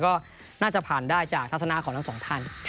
ก็น่าจะผ่านได้จากทัศนาของทั้งสองท่าน